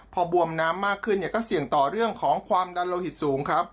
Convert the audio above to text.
พอบวมน้ำมากขึ้นเนี่ยก็เสี่ยงต่อเรื่องของความดันโลหิตสูงครับ